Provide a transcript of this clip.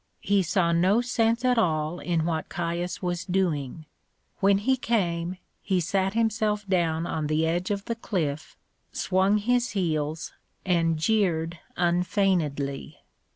He saw no sense at all in what Caius was doing. When he came he sat himself down on the edge of the cliff, swung his heels, and jeered unfeignedly.